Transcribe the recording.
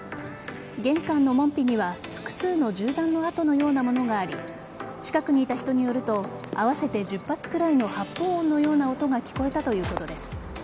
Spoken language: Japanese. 玄関の門扉には複数の銃弾の痕のようなものがあり近くにいた人によると合わせて１０発くらいの発砲音のような音が聞こえたということです。